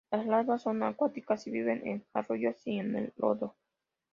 Las larvas son acuáticas, y viven en arroyos y en el lodo.